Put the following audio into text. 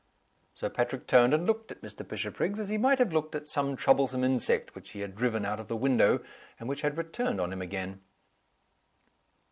Sir Patrick turned and looked at Mr. Bishopriggs as he might have looked at some troublesome insect which he had driven out of the window, and which had returned on him again.